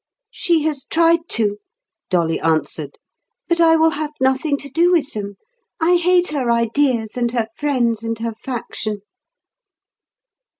"She has tried to," Dolly answered. "But I will have nothing to do with them. I hate her ideas, and her friends, and her faction."